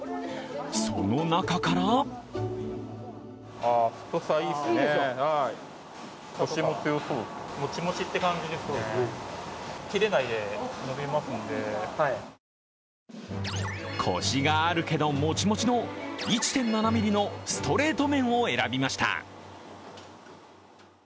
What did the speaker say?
その中からコシがあるけど、もちもちの１．７ｍｍのストレート麺を選びました。